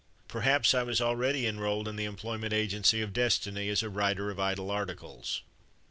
Perhaps I was already enrolled in the employment agency of destiny as a writer of idle articles.